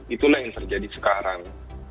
itulah yang terjadi sekarang